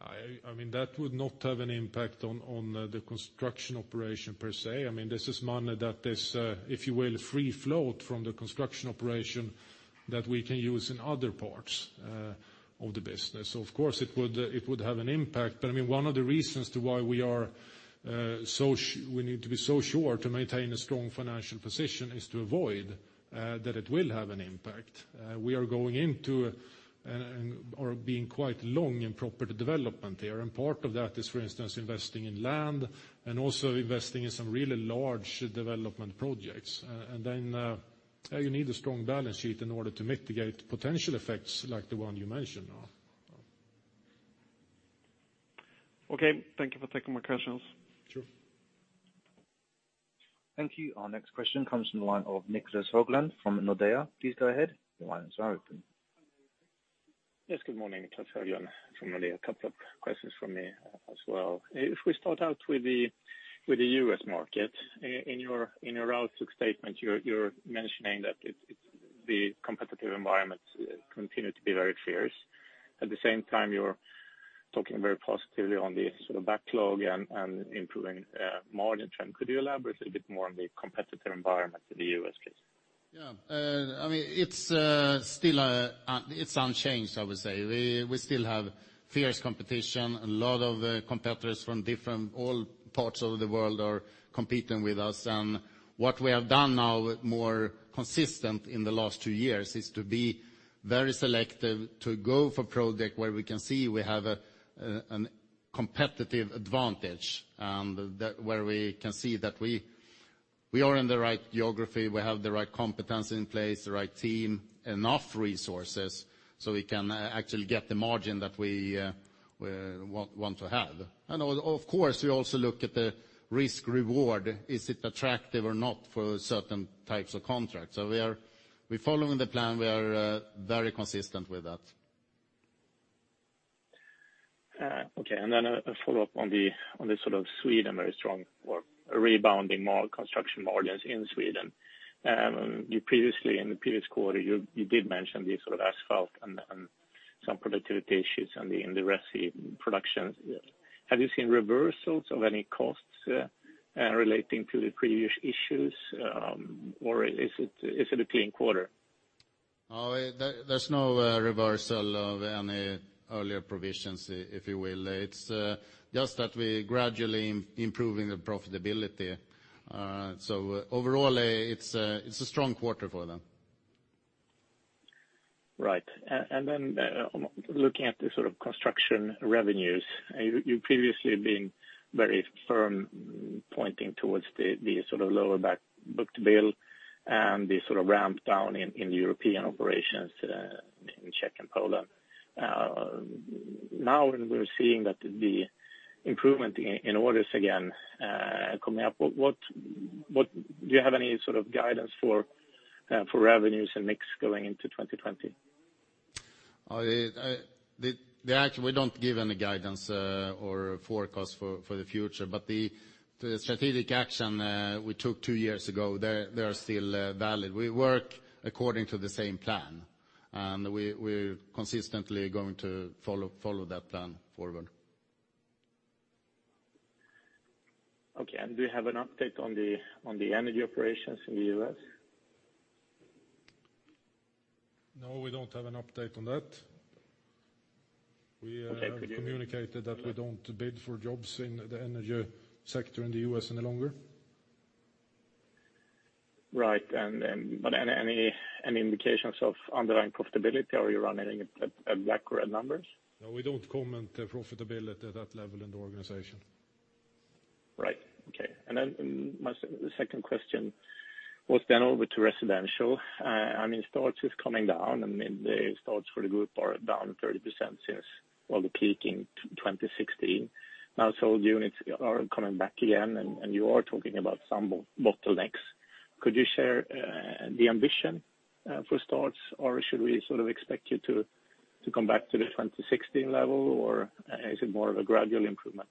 I mean that would not have an impact on the Construction operation per se. I mean, this is money that is, if you will, free float from the construction operation that we can use in other parts of the business. Of course it would, it would have an impact, but, I mean, one of the reasons to why we are so we need to be so sure to maintain a strong financial position is to avoid that it will have an impact. We are going into and are being quite long in property development here, and part of that is, for instance, investing in land and also investing in some really large development projects. And then you need a strong balance sheet in order to mitigate potential effects like the one you mentioned now. Okay, thank you for taking my questions. Sure. Thank you. Our next question comes from the line of Niclas Höglund from Nordea. Please go ahead. The lines are open. Yes, good morning, Niclas Höglund from Nordea. A couple of questions from me as well. If we start out with the U.S. market, in your outlook statement, you're mentioning that it's the competitive environment continue to be very fierce. At the same time, you're talking very positively on the sort of backlog and improving margin trend. Could you elaborate a little bit more on the competitive environment in the U.S. case? Yeah. I mean, it's still, it's unchanged, I would say. We still have fierce competition. A lot of competitors from different, all parts of the world are competing with us. And what we have done now, more consistent in the last two years, is to be very selective, to go for project where we can see we have a, a competitive advantage, and that, where we can see that we are in the right geography, we have the right competence in place, the right team, enough resources, so we can actually get the margin that we want to have. And of course, we also look at the risk reward. Is it attractive or not for certain types of contracts? So we are following the plan. We are very consistent with that. Okay. And then a follow-up on the sort of Sweden, very strong or rebounding construction margins in Sweden. You previously, in the previous quarter, you did mention the sort of asphalt and some productivity issues in the received production. Have you seen reversals of any costs relating to the previous issues, or is it a clean quarter? There's no reversal of any earlier provisions, if you will. It's just that we gradually improving the profitability. So overall, it's a strong quarter for them. Right. And then, looking at the sort of Construction revenues, you've previously been very firm pointing towards the sort of lower book-to-bill, and the sort of ramp down in European operations in Czech and Poland. Now, we're seeing that the improvement in orders again coming up. What do you have any sort of guidance for revenues and mix going into 2020? We don't give any guidance or forecast for the future, but the strategic action we took two years ago, they are still valid. We work according to the same plan, and we're consistently going to follow that plan forward. Okay. And do you have an update on the energy operations in the U.S.? No, we don't have an update on that. Okay, could you - We have communicated that we don't bid for jobs in the energy sector in the U.S. any longer. Right. But any indications of underlying profitability, are you running at black or red numbers? No, we don't comment the profitability at that level in the organization. Right. Okay. And then my second question was over to residential. I mean, starts is coming down, and then the starts for the group are down 30% since, well, the peak in 2016. Now, sold units are coming back again and you are talking about some bottlenecks. Could you share the ambition for starts, or should we sort of expect you to come back to the 2016 level, or is it more of a gradual improvement?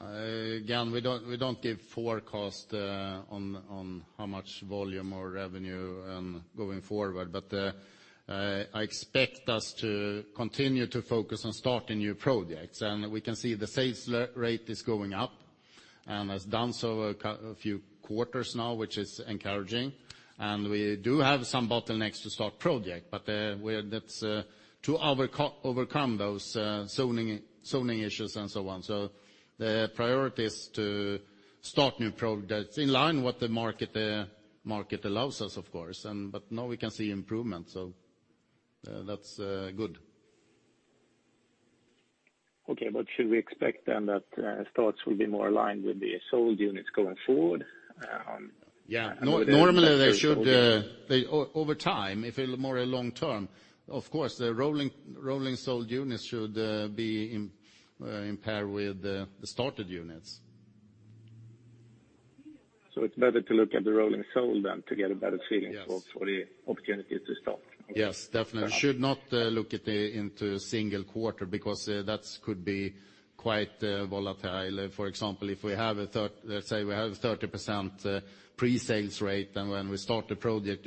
Again, we don't - we don't give forecast on how much volume or revenue going forward. But I expect us to continue to focus on starting new projects. And we can see the sales rate is going up, and has done so a few quarters now, which is encouraging. And we do have some bottlenecks to start project, but that's to overcome those zoning issues and so on. So the priority is to start new projects in line with what the market allows us, of course, and but now we can see improvement, so that's good. Okay, but should we expect then that starts will be more aligned with the sold units going forward? Yeah, normally they should. Over time, if more a long term, of course, the rolling sold units should be in pair with the started units. It's better to look at the rolling sold than to get a better feeling for the opportunity to start? Yes, definitely. Right. Should not look at it in a single quarter, because that could be quite volatile. For example, if we have - let's say we have 30% pre-sales rate, then when we start the project,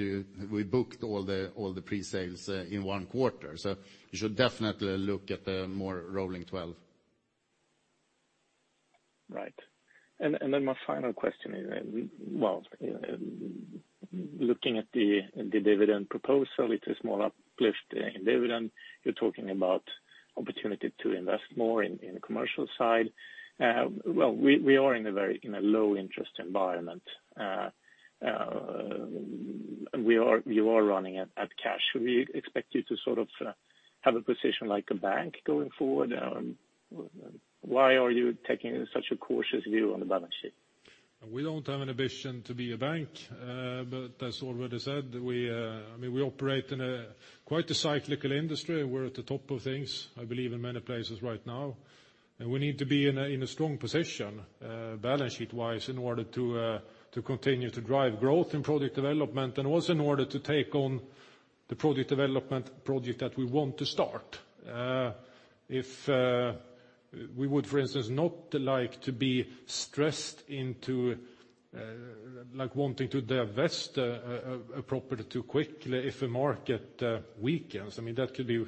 we booked all the pre-sales in one quarter. So you should definitely look at the more rolling twelve. Right. And then my final question is, well, looking at the dividend proposal, it's a small uplift in dividend. You're talking about opportunity to invest more in the commercial side. Well, we are in a very low interest environment. You are running at cash. Should we expect you to sort of have a position like a bank going forward? Why are you taking such a cautious view on the balance sheet? We don't have an ambition to be a bank, but as already said, we, I mean, we operate in a quite cyclical industry. We're at the top of things, I believe, in many places right now, and we need to be in a strong position, balance sheet-wise, in order to continue to drive growth in project development, and also in order to take on the project development project that we want to start. If we would, for instance, not like to be stressed into, like wanting to divest a property too quickly if the market weakens, I mean, that could be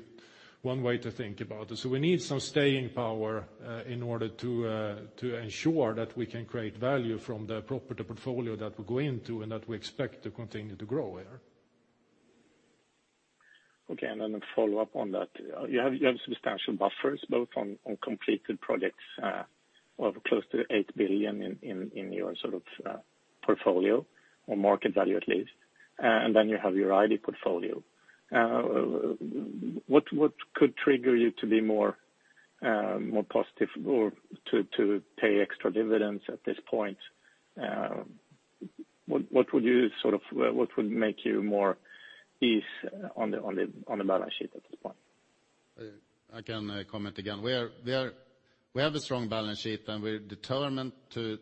one way to think about it. So we need some staying power, in order to ensure that we can create value from the property portfolio that we go into and that we expect to continue to grow here. Okay, and then a follow-up on that. You have, you have substantial buffers, both on, on completed projects, or close to 8 billion in, in, in your sort of, portfolio, or market value at least, and then you have your ID portfolio. What, what could trigger you to be more- more positive or to, to pay extra dividends at this point, what, what would you sort of- what would make you more ease on the, on the, on the balance sheet at this point? I can comment again. We have a strong balance sheet, and we're determined to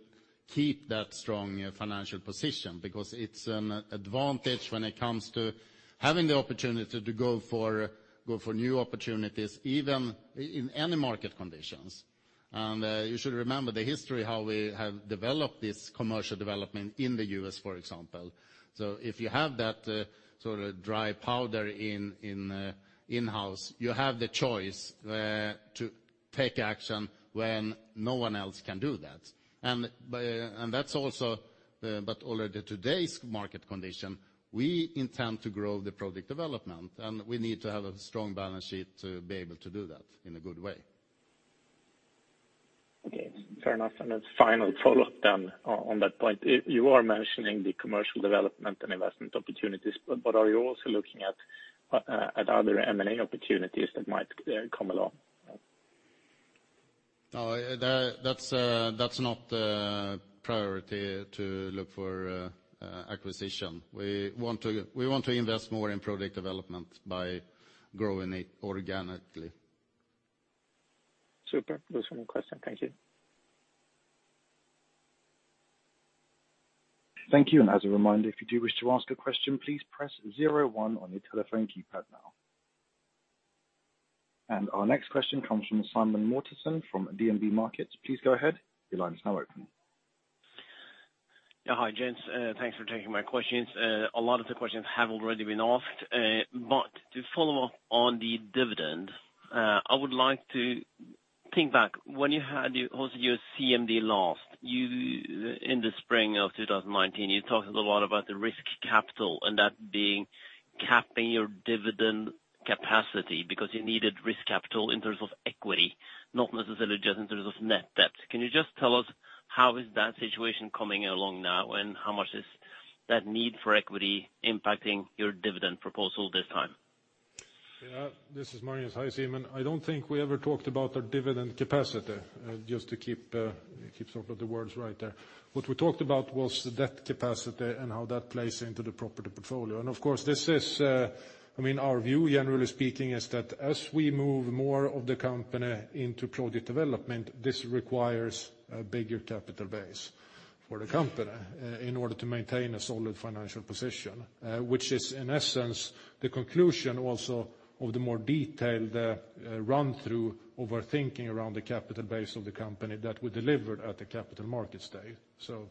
keep that strong financial position, because it's an advantage when it comes to having the opportunity to go for new opportunities, even in any market conditions. And you should remember the history, how we have developed this commercial development in the U.S., for example. So if you have that sort of dry powder in-house, you have the choice to take action when no one else can do that. And that's also, but already in today's market condition, we intend to grow the product development, and we need to have a strong balance sheet to be able to do that in a good way. Okay, fair enough. And then, final follow-up on that point. You are mentioning the Commercial Development and investment opportunities, but are you also looking at other M&A opportunities that might come along? That's not a priority to look for acquisition. We want to invest more in product development by growing it organically. Super. That's all my questions. Thank you. Thank you, and as a reminder, if you do wish to ask a question, please press zero-one on your telephone keypad now. Our next question comes from Simen Mortensen, from DNB Markets. Please go ahead. Your line is now open. Yeah, hi, gents. Thanks for taking my questions. A lot of the questions have already been asked, but to follow up on the dividend, I would like to think back. When you had your, hosted your CMD last, you, in the spring of 2019, you talked a lot about the risk capital, and that being capping your dividend capacity because you needed risk capital in terms of equity, not necessarily just in terms of net debt. Can you just tell us how is that situation coming along now, and how much is that need for equity impacting your dividend proposal this time? Yeah, this is Magnus. Hi, Simen. I don't think we ever talked about our dividend capacity, just to keep sort of the words right there. What we talked about was the debt capacity and how that plays into the property portfolio. And of course, this is - I mean, our view, generally speaking, is that as we move more of the company into project development, this requires a bigger capital base for the company, in order to maintain a solid financial position. Which is, in essence, the conclusion also of the more detailed run-through of our thinking around the capital base of the company that we delivered at the Capital Markets Day, so.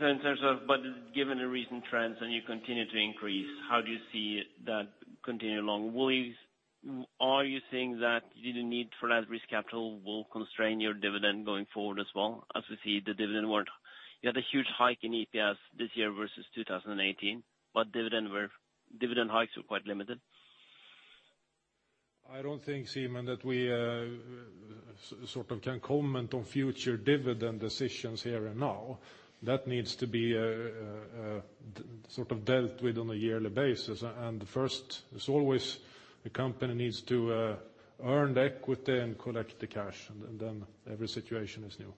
In terms of, but given the recent trends, and you continue to increase, how do you see that continuing along? Will you - Are you saying that the need for less risk capital will constrain your dividend going forward as well, as we see the dividend - you had a huge hike in EPS this year versus 2018, but dividend hikes were quite limited. I don't think, Simen, that we sort of can comment on future dividend decisions here and now. That needs to be sort of dealt with on a yearly basis. And first as always, the company needs to earn the equity and collect the cash, and then every situation is new.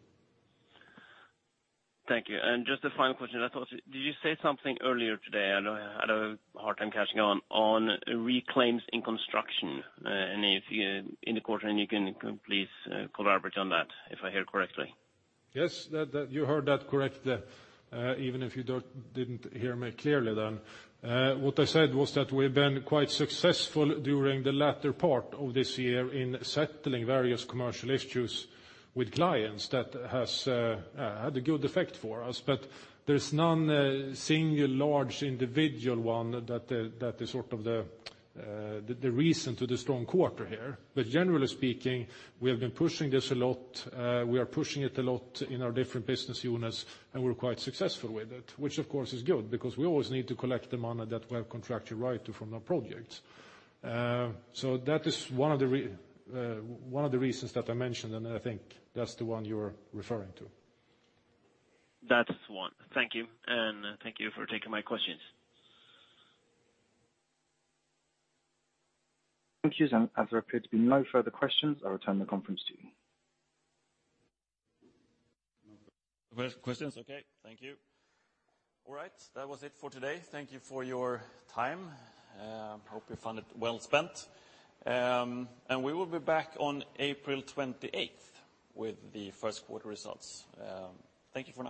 Thank you. And just a final question. I thought, did you say something earlier today? I had a hard time catching on, on reclaims in Construction. And if you, in the quarter, and you can, please elaborate on that, if I hear correctly. Yes, that you heard that correct, even if you don't - didn't hear me clearly then. What I said was that we've been quite successful during the latter part of this year in settling various commercial issues with clients that has had a good effect for us. But there's none single large individual one that is sort of the reason to the strong quarter here. But generally speaking, we have been pushing this a lot. We are pushing it a lot in our different business units, and we're quite successful with it, which, of course, is good, because we always need to collect the money that we have contracted right to from the projects. So that is one of the reasons that I mentioned, and I think that's the one you are referring to. That's one. Thank you, and thank you for taking my questions. Thank you, and as there appear to be no further questions, I'll return the conference to you. No more questions? Okay, thank you. All right, that was it for today. Thank you for your time. Hope you found it well spent. And we will be back on April twenty-eighth with the first quarter results. Thank you for now.